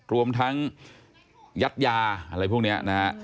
รวมทั้งยัดยาอะไรพวกนี้นะฮะ